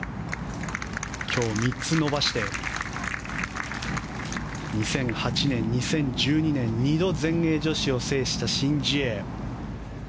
今日、３つ伸ばして２００８年、２０１２年２度全英女子を制したシン・ジエ。